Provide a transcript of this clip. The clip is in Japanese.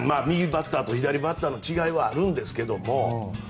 右バッターと左バッターの違いはあるんですけども。